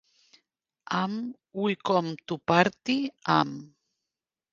Amb "We Come To Party" amb.